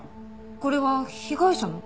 これは被害者の？